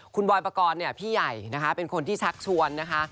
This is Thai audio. คุณบอยปกรณ์เนี่ยพี่ใหญ่นะคะเป็นคนที่ชักชวนนะคะ